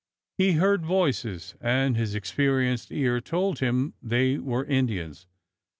He heard voices, and his experienced ear told him they were Indians.